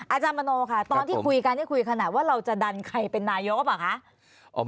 อาจารย์มโนค่ะตอนที่คุยกันได้คุยขนาดว่าเราจะดันใครเป็นนายกหรือเปล่าคะ